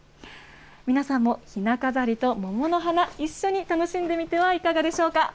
皆さんも、ひな飾りと桃の花、一緒に楽しんでみてはいかがでしょうか。